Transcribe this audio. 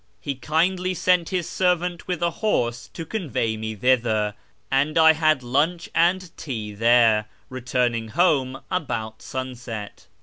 He kindly sent his servant wath a horse to convey me thither, and I had lunch and tea there, returning home about sunset.